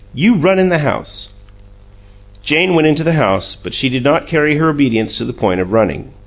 You run in the house." Jane went into the house, but she did not carry her obedience to the point of running.